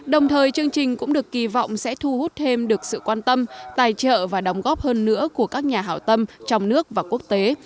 đồng thời chương trình cũng được kỳ vọng sẽ thu hút thêm được sự quan tâm tài trợ và đóng góp hơn nữa của các nhà hảo tâm trong nước và quốc tế